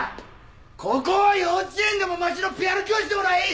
ここは幼稚園でも町のピアノ教室でもない！